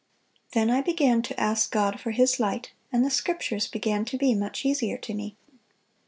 Then I began to ask God for His light, and the Scriptures began to be much easier to me."